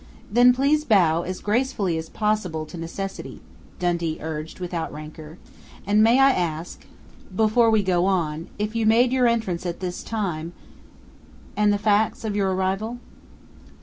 "Then please bow as gracefully as possible to necessity," Dundee urged without rancor. "And may I ask, before we go on, if you made your entrance at this time, and the facts of your arrival?"